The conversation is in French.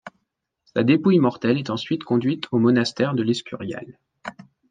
Sa dépouille mortelle est ensuite conduite au monastère de l'Escurial.